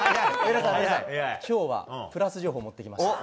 今日はプラス情報を持ってきました。